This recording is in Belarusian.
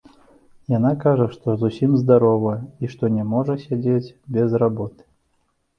Яна кажа, што зусім здаровая і што не можа сядзець без работы.